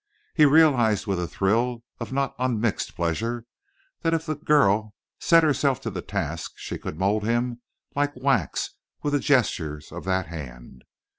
He realized with a thrill of not unmixed pleasure that if the girl set herself to the task she could mold him like wax with the gestures of that hand.